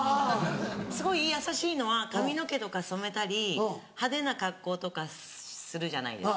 すごい優しいのは髪の毛とか染めたり派手な格好とかするじゃないですか私。